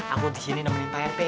aku di sini nemenin pak rete